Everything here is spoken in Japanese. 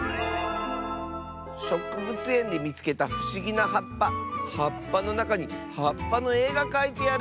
「しょくぶつえんでみつけたふしぎなはっぱはっぱのなかにはっぱのえがかいてある！」。